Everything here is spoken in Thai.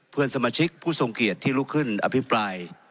เพื่อนสมาชิกผู้ทรงเกียจที่ลุกขึ้นอภิปราย